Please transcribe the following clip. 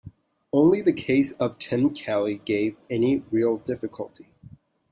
Only the case of Tim Kelly gave any real difficulty.